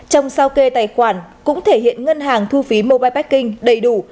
trong sau kê tài khoản cũng thể hiện ngân hàng thu phí mobile packing đầy đủ